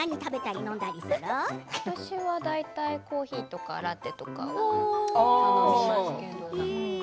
私は大体コーヒーとかラテとか飲みますけど。